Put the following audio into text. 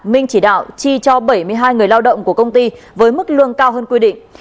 minh chỉ đạo chi cho bảy mươi hai người lao động của công ty với mức lương cao hơn quy định